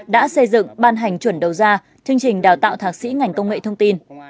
đã xây dựng ban hành chuẩn đầu ra chương trình đào tạo thạc sĩ ngành công nghệ thông tin